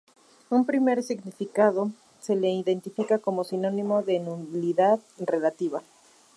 Un primer significado se le identifica como sinónimo de nulidad relativa.